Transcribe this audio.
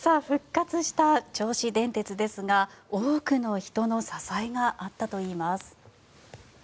復活した銚子電鉄ですが多くの人の支えがあったといいます。